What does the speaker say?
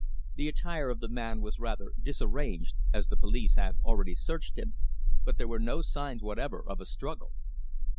The attire of the man was rather disarranged, as the police had already searched him, but there were no signs whatever of a struggle."